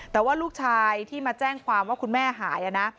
แต่ว่าลูกชายที่มาแจ้งความว่าคุณแม่หายนะ